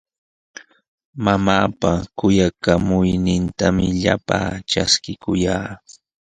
Mamaapa kuyakuynintami llapaa traskikuyaa.